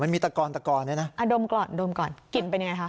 มันมีตะกอนตะกอนเลยนะอ่าดมก่อนดมก่อนกลิ่นเป็นไงคะ